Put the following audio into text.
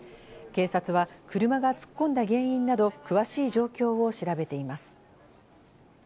警察は車が突っ込んだ原因など詳しい状況を調べています。